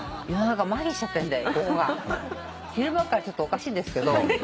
昼間からちょっとおかしいんですけど。